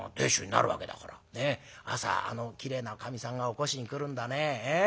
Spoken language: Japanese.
なるわけだから朝あのきれいなおかみさんが起こしに来るんだね。